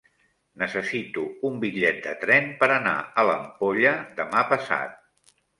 Necessito un bitllet de tren per anar a l'Ampolla demà passat.